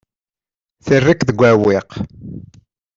Terra-k deg uɛewwiq.